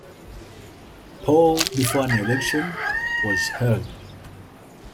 Paul before an election was held.